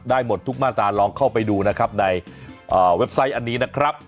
หมดทุกมาตราลองเข้าไปดูนะครับในเว็บไซต์อันนี้นะครับ